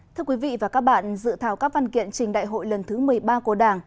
thưa quý vị và các bạn dự thảo các văn kiện trình đại hội lần thứ một mươi ba của đảng